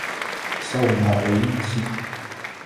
Сэ унагъо ин сиӏ.